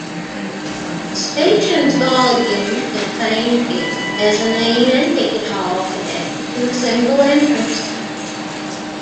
The station's volume contains its mezzanine and ticket hall, connected to a single entrance.